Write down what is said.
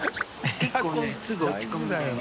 結構ねすぐ落ち込むんだよね。